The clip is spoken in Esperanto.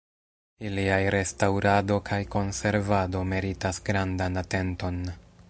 Iliaj restaŭrado kaj konservado meritas grandan atenton.